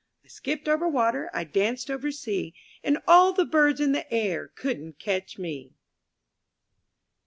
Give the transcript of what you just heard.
I skipped over water, I danced over sea, And all the birds in the air couldn*t catch me.